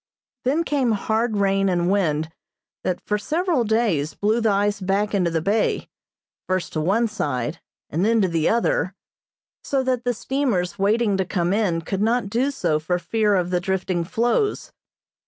Then came hard rain and wind, that, for several days, blew the ice back into the bay, first to one side, and then to the other, so that the steamers waiting to come in could not do so for fear of the drifting floes.